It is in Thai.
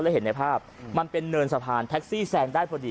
แล้วเห็นในภาพมันเป็นเนินสะพานแท็กซี่แซงได้พอดี